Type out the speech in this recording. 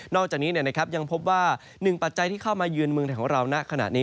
อกจากนี้ยังพบว่าหนึ่งปัจจัยที่เข้ามาเยือนเมืองไทยของเราณขณะนี้